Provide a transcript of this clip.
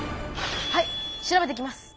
はい調べてきます。